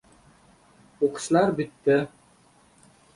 O‘qishlar bitdi.